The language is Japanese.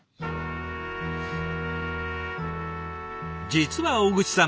実は大串さん